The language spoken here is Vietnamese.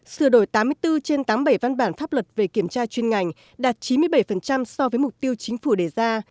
sửa đổi tám mươi bốn trên tám mươi bảy văn bản pháp luật về kiểm tra chuyên ngành đạt chín mươi bảy so với mục tiêu chính phủ đề ra